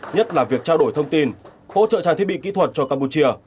nhất là việc trao đổi thông tin hỗ trợ trang thiết bị kỹ thuật cho campuchia